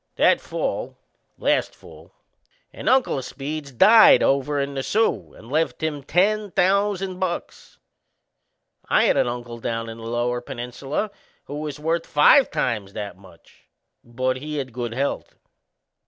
That fall last fall an uncle o' Speed's died over in the Soo and left him ten thousand bucks. I had an uncle down in the Lower Peninsula who was worth five times that much but he had good health!